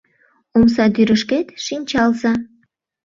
Омсадӱрышкет шинчалза.